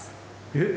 えっ？